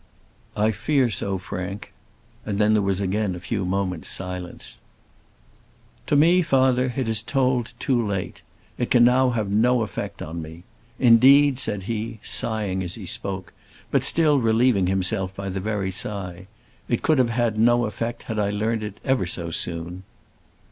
"I fear so, Frank;" and then there was again a few moments' silence. "To me, father, it is told too late. It can now have no effect on me. Indeed," said he, sighing as he spoke, but still relieving himself by the very sigh, "it could have had no effect had I learned it ever so soon."